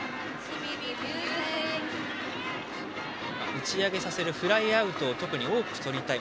打ち上げさせるフライアウトを特に多くとりたい。